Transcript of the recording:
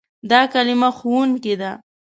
دا کلمه "ښوونکی" ده.